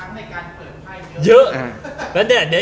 เป็นครั้งในการเปิดไภเยอะ